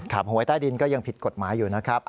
หวยใต้ดินก็ยังผิดกฎหมายอยู่นะครับ